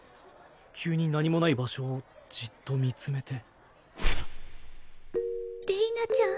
急に何もない場所をじっと見つめて